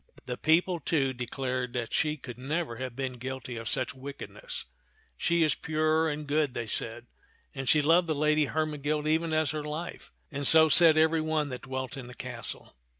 The people, too, declared that she could never have been guilty of such wickedness. " She is pure and good," they said, "and she loved the Lady Hermegild even as her life" ; and so said every one that dwelt in the castle.